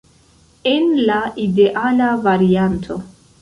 En la ideala varianto.